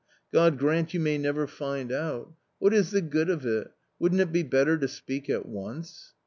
God grant you may never find out !.... What is the good of it ? wouldn't it be better to speak at once